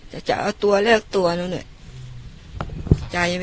แต่จะเอาตัวเลือกตัวหนูหน่อยใจไหม